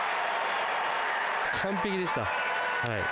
完璧でしたはい。